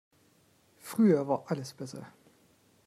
Früher war alles besser.